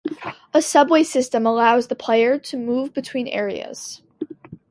A subway system allows the player to move between areas.